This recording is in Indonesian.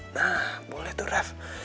nah boleh tuh ref